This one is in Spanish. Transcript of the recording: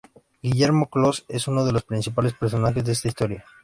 Guillermo Closs es uno de los principales personajes de esta historia.